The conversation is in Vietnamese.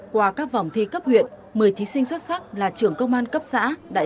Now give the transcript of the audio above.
qua các vòng thi cấp huyện một mươi thí sinh xuất sắc là trưởng công an cấp xã